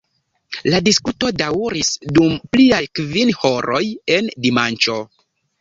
La diskuto daŭris dum pliaj kvin horoj en dimanĉo.